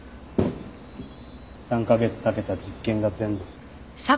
３カ月かけた実験が全部。